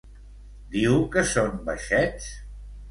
Diu que són baixets?